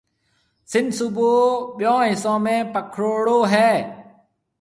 سنڌ صوبو ٻيون حصون ۾ پِکڙوڙو ھيَََ